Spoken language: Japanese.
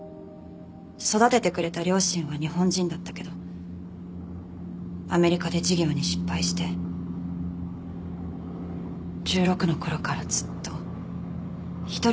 育ててくれた両親は日本人だったけどアメリカで事業に失敗して１６の頃からずっと一人で生きてきたの